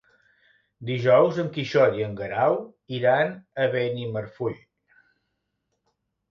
Dijous en Quixot i en Guerau iran a Benimarfull.